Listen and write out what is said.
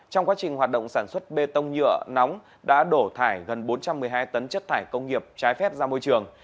trong quá trình hoạt động sản xuất bê tông nhựa nóng đã đổ thải gần bốn trăm một mươi hai tấn chất thải công nghiệp trái phép ra môi trường